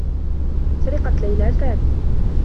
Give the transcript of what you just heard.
سرقت ليلى سامي.